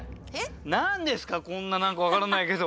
何ですかこんな何か分からないけど。